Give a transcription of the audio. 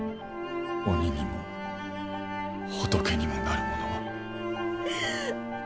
鬼にも仏にもなる者は。